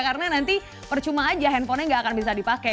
karena nanti percuma saja handphonenya tidak akan bisa dipakai